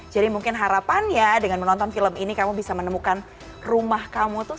mungkin harapannya dengan menonton film ini kamu bisa menemukan rumah kamu tuh